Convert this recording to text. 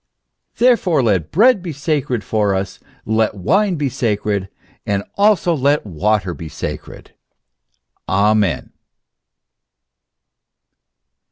Therefore let bread be sacred for us, let wine be sacred, and also let water be sacred ! Amen.